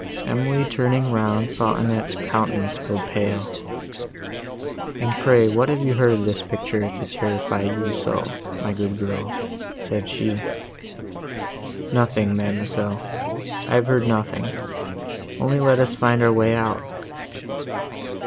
Emily, turning round, saw Annette's countenance grow pale. "And pray, what have you heard of this picture, to terrify you so, my good girl?" said she. "Nothing, ma'amselle: I have heard nothing, only let us find our way out."